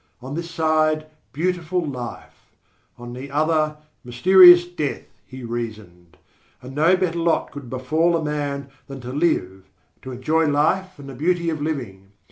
On this side, beautiful life; on the other, mysterious death, he reasoned, and no better lot could befall a man than to live to enjoy life and the beauty of living.